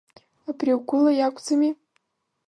Абри угәыла иакәӡами?